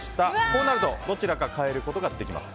こうなると、どちらかが変えることができます。